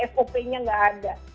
fop nya nggak ada